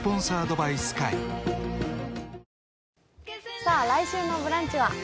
さあ、来週の「ブランチ」は？